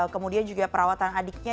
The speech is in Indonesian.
kemudian juga perawatan adiknya